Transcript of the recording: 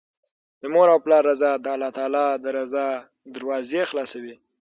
د مور او پلار رضا د الله تعالی د رضا دروازې خلاصوي